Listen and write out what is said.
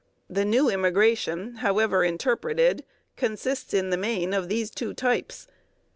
The "new" immigration, however interpreted, consists in the main of these two types.